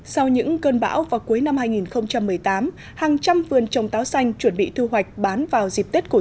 sau những cơn bão vào cuối năm hai nghìn một mươi tám hàng trăm vườn trồng táo xanh chuẩn bị thu hoạch bán vào dịp tết của